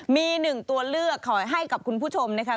มีหนึ่งตัวเลือกขอให้กับคุณผู้ชมนะคะ